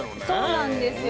そうなんですよ。